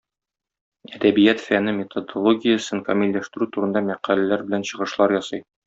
Әдәбият фәне методологиясен камилләштерү турында мәкаләләр белән чыгышлар ясый.